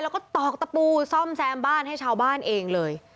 แล้วก็ตอกตะปูซ่อมแซมบ้านให้ชาวบ้านเองเลย